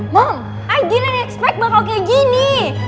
mam i didn't expect bakal kayak gini